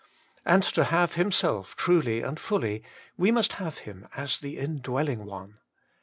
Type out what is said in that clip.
And 76 HOLY IN CHRIST. to have Himself truly and fully, we must have Him as the Indwelling One.